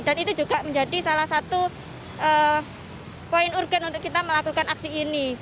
dan itu juga menjadi salah satu poin urgen untuk kita melakukan aksi ini